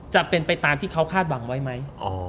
จะเป็นไปตามที่เขาคาดหวังไว้ไหม